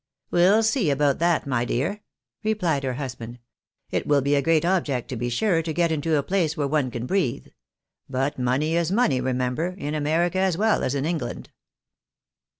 " We'U see about that, my dear," replied her husband. " It vdll be a great object, to be sure, to get into a place where one can breathe. But money is money, remember, in America as well as in England."